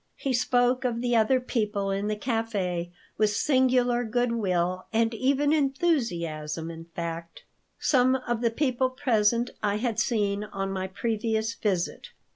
He spoke of the other people in the café with singular good will, and even enthusiasm, in fact Some of the people present I had seen on my previous visit.